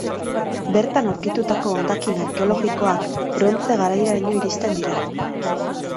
Bertan aurkitutako hondakin arkeologikoak brontze garairaino iristen dira.